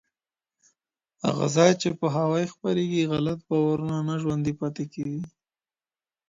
هغه ځای چې پوهاوی خپرېږي، غلط باورونه نه ژوندي پاتې کېږي.